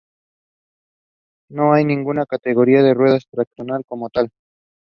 No hay ninguna categoría de "ruedas tractoras" como tal.